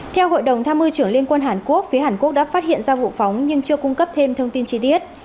theo hội đồng tham mưu trưởng liên quân hàn quốc phía hàn quốc đã phát hiện ra vụ phóng nhưng chưa cung cấp thêm thông tin chi tiết